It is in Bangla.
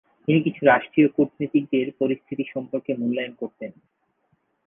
তিনি কিছু রাষ্ট্রীয় কূটনৈতিকদের পরিস্থিতি সম্পর্কে মূল্যায়ন করতেন।